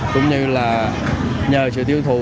cũng như là nhờ sự tiêu thụ